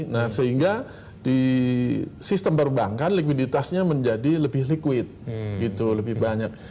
nah sehingga di sistem perbankan likuiditasnya menjadi lebih liquid gitu lebih banyak